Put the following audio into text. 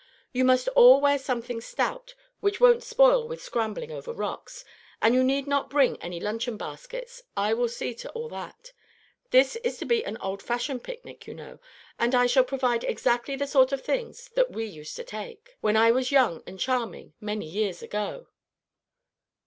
You must all wear something stout, which won't spoil with scrambling over rocks, and you need not bring any luncheon baskets. I will see to all that. This is to be an old fashioned picnic, you know, and I shall provide exactly the sort of things that we used to take 'When I was young and charming, many years ago.'"